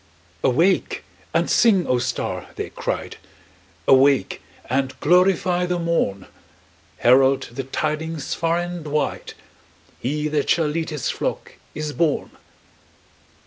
"Awake and sing, O star!" they cried. "Awake and glorify the morn! Herald the tidings far and wide He that shall lead His flock is born!"